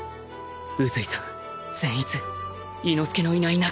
宇髄さん善逸伊之助のいない中